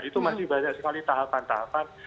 itu masih banyak sekali tahapan tahapan